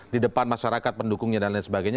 di depan masyarakat pendukungnya dan lain sebagainya